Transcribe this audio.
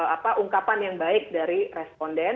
apa ungkapan yang baik dari responden